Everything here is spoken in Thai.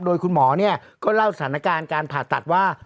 โดยคุณหมอก็เล่าสถานการณ์การผ่าตัดว่า